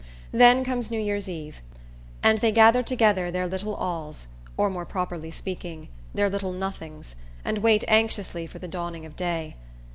Then comes New Year's eve; and they gather together their little alls, or more properly speaking, their little nothings, and wait anxiously for the dawning of day.